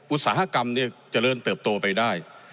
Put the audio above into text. อุตสาหกรรมเจริญเติบโตไปได้